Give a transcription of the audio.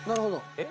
えっ？